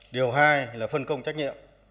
điều hai là phân công trách nhiệm